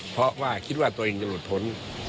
เพราะว่าคิดว่าตัวเองจะหลุดพ้น